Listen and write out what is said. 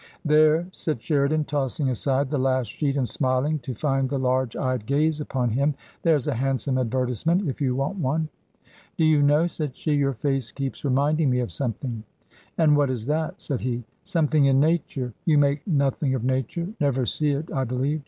"There!" said Sheridan, tossing aside the last sheet and smiling to find the large eyed gaze upon him; " there's a handsome advertisement if you want one !"" Do you know," said she, " your face keeps remind ing me of something." " And what is that ?" said he. " Something in nature. You make nothing of nature — never see it, I believe.